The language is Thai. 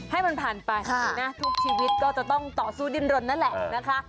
ให้มันผ่านไปนะทุกชีวิตก็จะต้องต่อสู้ดินรนนั่นแหละนะคะ